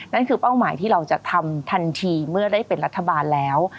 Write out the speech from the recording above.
นั่นคือเป้าหมายที่เราจะทำทันทีเมื่อได้เป็นรัฐบาลแล้ว